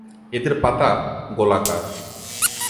এদের পাতা গোলাকার।